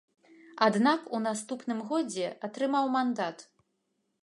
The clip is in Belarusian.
Аднак у наступным годзе атрымаў мандат.